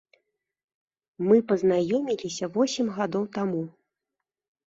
Мы пазнаёміліся восем гадоў таму.